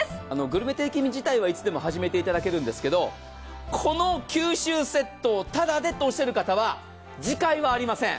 グルメ定期便自体はいつでも始めていただけるんですけれども、この九州セットをただでとおっしゃる方は次回はありません。